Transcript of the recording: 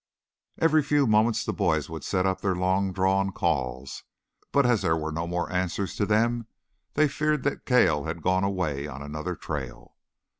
Every few moments the boys would set up their long drawn calls, but as there were no more answers to them, they feared that Cale had gone away on another trail.